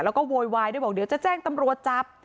แล้วก็โวยวายด้วยบอกเดี๋ยวจะแจ้งตำรวจจับ